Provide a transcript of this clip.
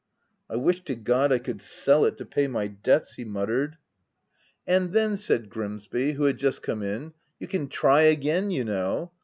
"' I wish to God I could sell it to pay my debts/ he muttered. 38 THE TENANT " i And then/ said Grimsby, who had just come in, 'you can try again, you know.